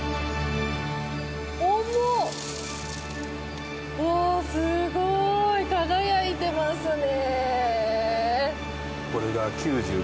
重っ、すごい。輝いていますね。